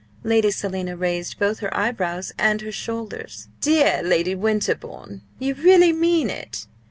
Lady Selina raised both her eyebrows and her shoulders. "Dear Lady Winterbourne! you really mean it?"